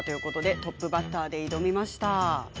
トップバッターで挑みました。